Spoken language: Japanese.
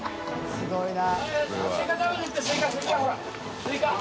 すごいね。）